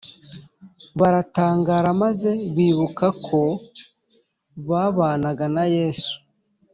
baratangara maze bibuka ko babanaga na Yesu